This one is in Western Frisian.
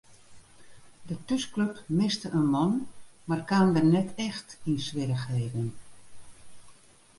De thúsklup miste in man mar kaam net echt yn swierrichheden.